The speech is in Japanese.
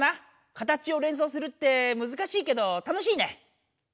形を連想するってむずかしいけどたのしいね。